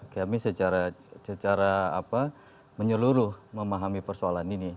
kami secara menyeluruh memahami persoalan ini